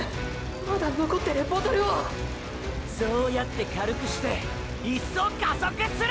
まだ残ってるボトルをそうやって軽くして一層加速する！！